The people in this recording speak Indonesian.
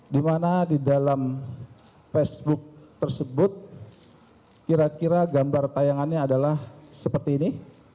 di mana di dalam facebook tersebut kira kira gambar tayangannya adalah seperti ini